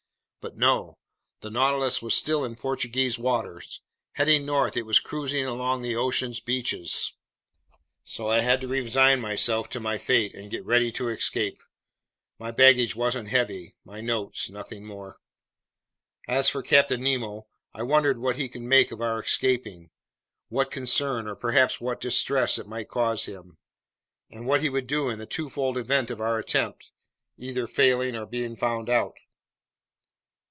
But no. The Nautilus was still in Portuguese waters. Heading north, it was cruising along the ocean's beaches. So I had to resign myself to my fate and get ready to escape. My baggage wasn't heavy. My notes, nothing more. As for Captain Nemo, I wondered what he would make of our escaping, what concern or perhaps what distress it might cause him, and what he would do in the twofold event of our attempt either failing or being found out!